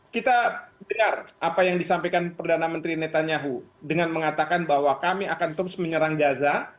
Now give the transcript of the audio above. kita dengar apa yang disampaikan perdana menteri netanyahu dengan mengatakan bahwa kami akan terus menyerang gaza